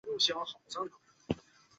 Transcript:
北岳是日本重要的登山圣地。